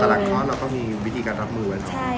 แต่หลังคอร์สเราก็มีวิธีการรับมือไว้